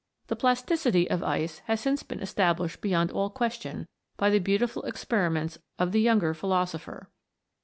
The plasticity of ice has since been established beyond all question by the beautiful experiments of the younger philosopher.